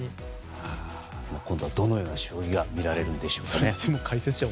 今度はどのような将棋が見られるんでしょうかね。